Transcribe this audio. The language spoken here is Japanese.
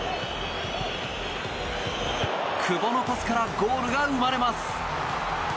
久保のパスからゴールが生まれます。